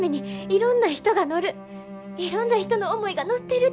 いろんな人の思いが乗ってるて思うねん。